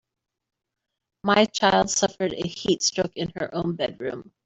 My child suffered a heat stroke in her own bedroom.